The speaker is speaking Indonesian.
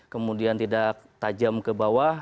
kemudian tidak tajam ke bawah